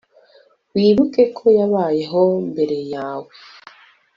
Wibuke ko yabayeho mbere yawe